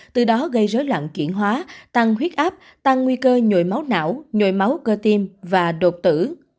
từ đó gây rối lặng chuyển hóa tăng huyết áp tăng nguy cơ nhồi máu não nhồi máu cơ tim và đột tử